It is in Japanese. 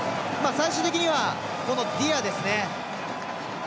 最終的にはディアですね。